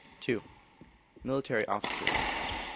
ii. _Military Officers.